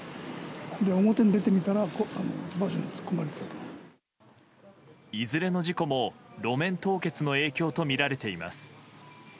いずれの事故も路面凍結の影響とみられています。